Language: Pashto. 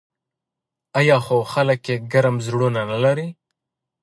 آیا خو خلک یې ګرم زړونه نلري؟